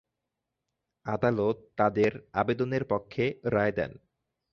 আদালত তাদের আবেদনের পক্ষে রায় দেন।